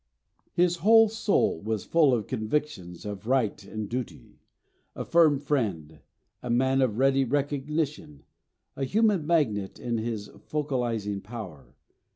"His whole soul was full of convictions of right and duty. A firm friend, a man of ready recognition, a human magnet in his focalising power.